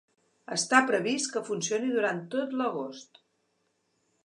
Està previst que funcioni durant tot l’agost.